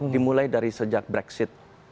dimulai dari sejak brexit